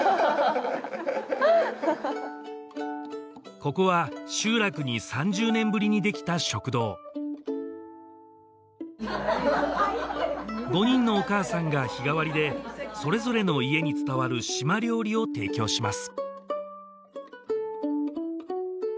ここは集落に３０年ぶりにできた食堂５人のお母さんが日替わりでそれぞれの家に伝わるシマ料理を提供します